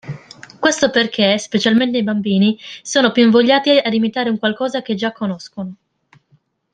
Questo perché, specialmente i bambini, sono più invogliati ad imitare un qualcosa che già conoscono.